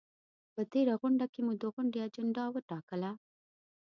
په تېره غونډه کې مو د غونډې اجنډا وټاکله؟